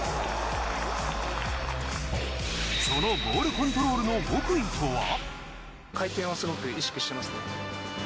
そのボールコントロールの極意とは？